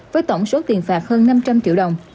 với tổng số tiền phạt hơn năm trăm linh triệu đồng